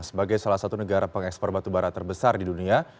sebagai salah satu negara pengekspor batubara terbesar di dunia